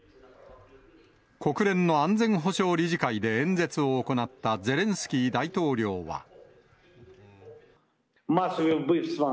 国連の安全保障理事会で演説を行ったゼレンスキー大統領は。